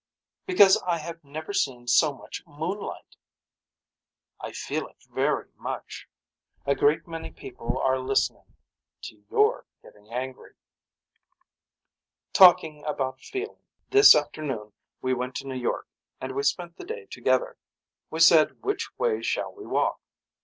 Because I have never seen so much moonlight. I feel it very much. A great many people were listening. To your getting angry Talking about feeling. This afternoon we went to New York and we spent the day together. We said which way shall we walk.